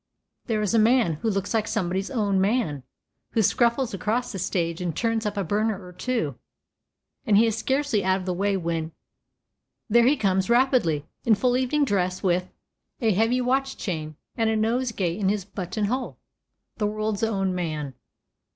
There is a man, who looks like somebody's "own man," who scuffles across the stage and turns up a burner or two; and he is scarcely out of the way when there he comes, rapidly, in full evening dress, with a heavy watch chain, and a nosegay in his button hole, the world's own man.